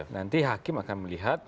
nanti hakim akan melihat